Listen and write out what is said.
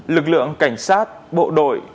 lực lượng cảnh sát bộ đội